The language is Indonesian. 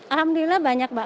alhamdulillah banyak mbak